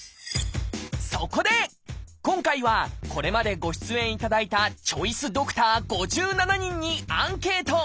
そこで今回はこれまでご出演いただいたチョイスドクター５７人にアンケート！